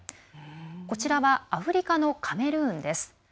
こちらはアフリカのカメルーンです。